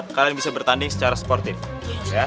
kalian bisa bertanding secara sportif